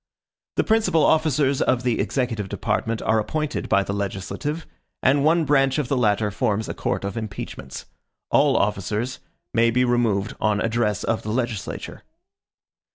The principal officers of the executive department are appointed by the legislative; and one branch of the latter forms a court of impeachments. All officers may be removed on address of the legislature.